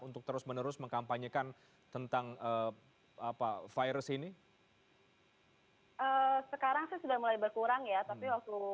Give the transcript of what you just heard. untuk terus menerus mengkampanyekan tentang apa virus ini sekarang sih sudah mulai berkurang ya tapi waktu